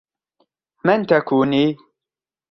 من تكونيِِ؟